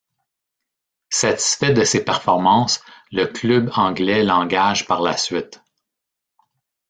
Satisfait de ses performances, le club anglais l'engage par la suite.